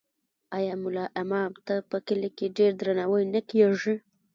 آیا ملا امام ته په کلي کې ډیر درناوی نه کیږي؟